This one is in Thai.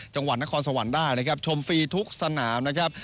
จังหวัดนครสวรรค์ได้นะครับชมฟรีทุกสนามนะครับ